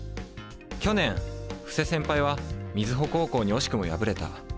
去年布施先輩は瑞穂高校に惜しくも敗れた。